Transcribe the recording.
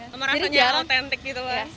nama rasanya autentik gitu kan